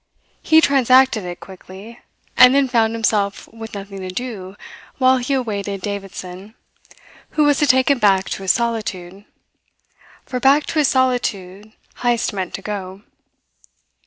He transacted it quickly, and then found himself with nothing to do while he awaited Davidson, who was to take him back to his solitude; for back to his solitude Heyst meant to go.